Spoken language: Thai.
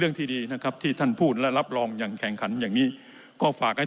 ที่ดีนะครับที่ท่านพูดและรับรองอย่างแข่งขันอย่างนี้ก็ฝากให้